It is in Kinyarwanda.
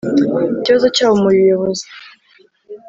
ikibazo cyabo mu buyobozi